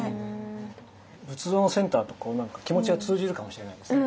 仏像のセンターとこう何か気持ちが通じるかもしれないですね。